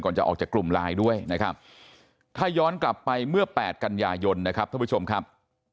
ก่อนจะออกจากกลุ่มไลน์ด้วยนะครับ